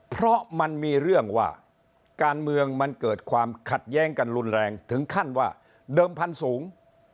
เพราะมันมีเรื่องว่าการเมืองมันเกิดความขัดแย้งกันรุนแรงถึงขั้นว่าเดิมพันธุ์สูง